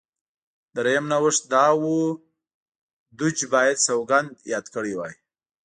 درېیم نوښت دا و دوج باید سوګند یاد کړی وای.